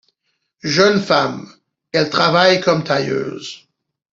Jeune femme, elle travaille comme tailleuse.